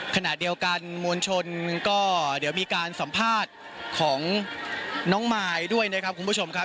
ขณะเดียวกันมวลชนก็เดี๋ยวมีการสัมภาษณ์ของน้องมายด้วยนะครับคุณผู้ชมครับ